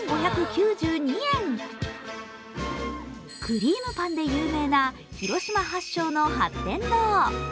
くりーむパンで有名な広島発祥の八天堂。